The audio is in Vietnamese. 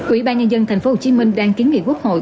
ủy ban nhân dân tp hcm đang kiến nghị quốc hội